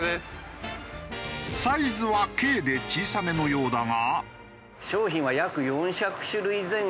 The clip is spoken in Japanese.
サイズは軽で小さめのようだが。